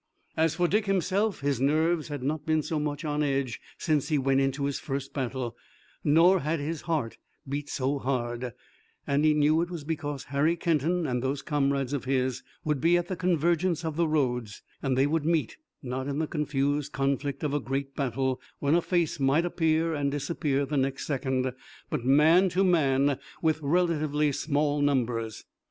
As for Dick himself his nerves had not been so much on edge since he went into his first battle, nor had his heart beat so hard, and he knew it was because Harry Kenton and those comrades of his would be at the convergence of the roads, and they would meet, not in the confused conflict of a great battle, when a face might appear and disappear the next second, but man to man with relatively small numbers.